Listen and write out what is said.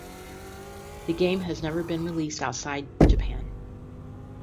The game has never been released outside Japan.